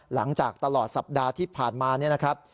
หลังจากตลอดสัปดาห์ที่ผ่านมาเนี่ยนะครับ